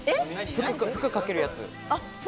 服かけるやつ。